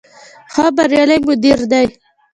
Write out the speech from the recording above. ښه بریالی مدیر دی.